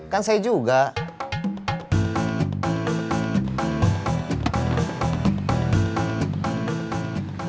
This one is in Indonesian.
kayak capacuh lagi oleh stepp